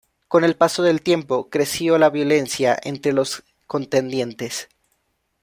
Con el paso del tiempo creció la violencia entre los contendientes.